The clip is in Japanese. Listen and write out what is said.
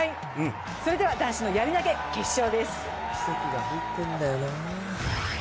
それでは男子のやり投、決勝です。